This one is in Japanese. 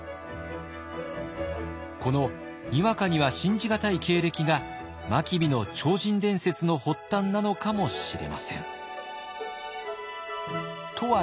このにわかには信じがたい経歴が真備の超人伝説の発端なのかもしれません。